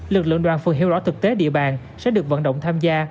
lực lượng đoàn phần hiệu rõ thực tế địa bàn sẽ được vận động tham gia